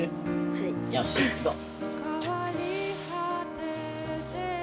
はい。よしいこう！